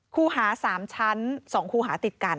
คู่หา๓ชั้น๒คูหาติดกัน